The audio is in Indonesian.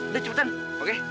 udah cepetan oke